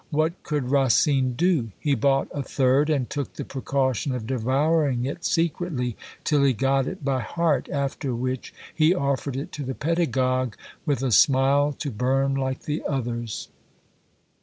What could Racine do? He bought a third, and took the precaution of devouring it secretly till he got it by heart: after which he offered it to the pedagogue with a smile, to burn like the others.